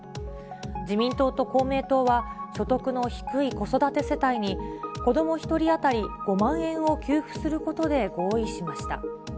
自民党と公明党は、所得の低い子育て世帯に、子ども１人当たり５万円を給付することで合意しました。